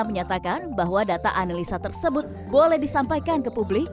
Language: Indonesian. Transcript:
menyatakan bahwa data analisa tersebut boleh disampaikan ke publik